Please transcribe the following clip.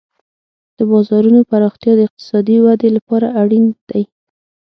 د بازارونو پراختیا د اقتصادي ودې لپاره اړین دی.